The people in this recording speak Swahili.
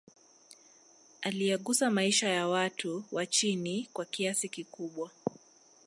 Aliyagusa maisha ya watu wa chini kwa kiasi kikubwa